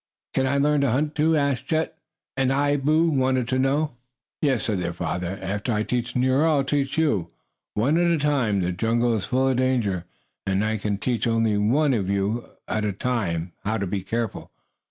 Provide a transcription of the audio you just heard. "Can't I learn to hunt, too?" asked Chet. "And I?" Boo wanted to know. "Yes," said their father. "After I teach Nero I'll teach you. One at a time. The jungle is full of danger, and I can teach only one of you at a time how to be careful.